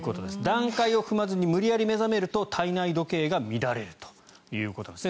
段階を踏まずに無理やり目覚めると体内時計が乱れるということです。